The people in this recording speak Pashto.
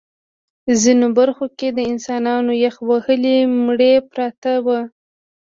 ځینو برخو کې د انسانانو یخ وهلي مړي پراته وو